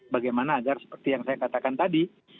bagaimana agar seperti yang saya katakan tadi